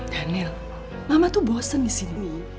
daniel mama tuh bosen di sini